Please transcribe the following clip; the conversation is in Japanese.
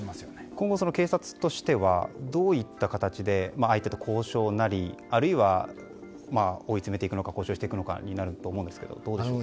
今後、警察としてはどういった形で相手と交渉なりあるいは追い詰めていくのか交渉していくのかになると思うんですがどうでしょう。